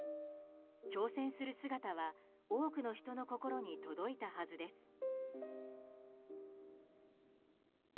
挑戦する姿は多くの人の心に届いたはずです。